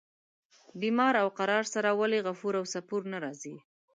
بیمار او قرار سره ولي غفور او سپور نه راځي.